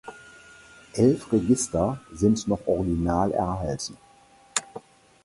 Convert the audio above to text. Elf Register sind noch original erhalten.